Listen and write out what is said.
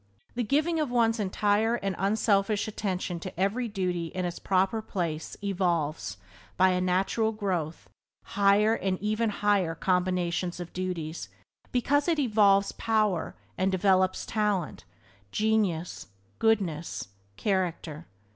The giving of one's entire and unselfish attention to every duty in its proper place evolves, by a natural growth, higher and ever higher combinations of duties, because it evolves power and develops talent, genius, goodness, character.